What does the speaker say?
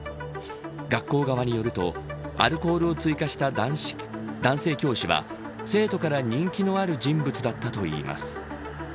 学校側によるとアルコールを追加した男性教師は、生徒から人気のある人物だったといいます。